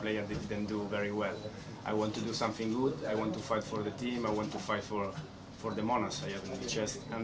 saya ingin melakukan sesuatu yang baik saya ingin berjuang untuk tim saya ingin berjuang untuk monas